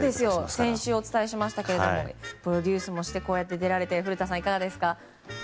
先週お伝えしましたがプロデュースもして、出られて古田さん、いかがですか？